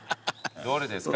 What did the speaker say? どれですか？